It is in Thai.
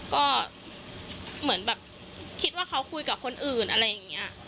ก็เหมือนแบบคิดว่าเขาคุยกับคนอื่นอะไรอย่างนี้